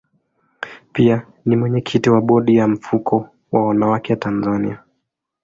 Pia ni mwenyekiti wa bodi ya mfuko wa wanawake Tanzania.